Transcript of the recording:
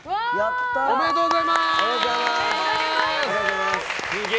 おめでとうございます。